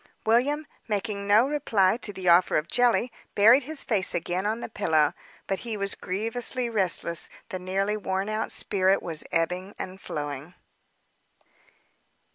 William, making no reply to the offer of jelly, buried his face again on the pillow. But he was grievously restless; the nearly worn out spirit was ebbing and flowing.